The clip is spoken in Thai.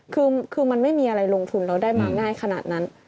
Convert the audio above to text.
คือมันไม่มีอะไรลงทุนเราได้มาง่ายขนาดนั้น